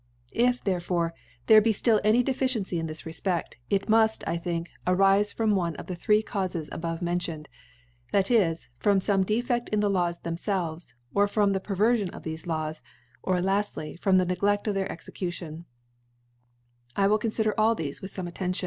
If therefore there be ft ill any Deficiency i» this Refped:, it muft, I M^ink, arife from one of the three Caufes abovemencioned; thac . is, from fomeDefeftin the Laws theroielves, or from the Perverfion of thefe Laws •, or, laftly, from the Negled in theif Execution* I will confider all theie with fpme Auen tion.